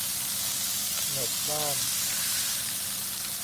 เน็ตบ้าน